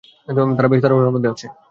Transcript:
তারা বেশ তাড়াহুড়োর মধ্যে আছে!